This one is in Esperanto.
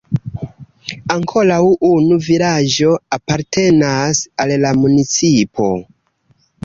Ankoraŭ unu vilaĝo apartenas al la municipo.